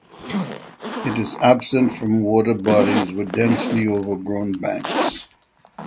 It is absent from water bodies with densely overgrown banks.